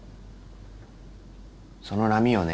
その波をね